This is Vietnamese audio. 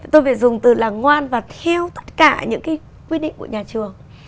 tôi phải dùng từ là ngoan và theo tất cả những cái quy định của nhà trường